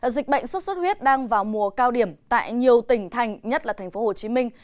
dịch bệnh sốt xuất huyết đang vào mùa cao điểm tại nhiều tỉnh thành nhất là thành phố hồ chí minh